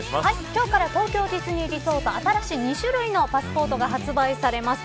今日から東京ディズニーリゾート新しい２種類のパスポートが発売されます。